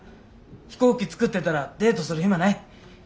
飛行機作ってたらデートする暇ない。